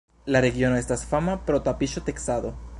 La regiono estas fama pro tapiŝo-teksado.